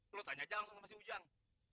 lo tanya jangan sama si ujang